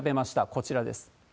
こちらです。